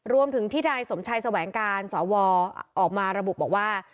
รวมถึงที่นายสมชัยแสวงการสวออกมาระบุบอกว่า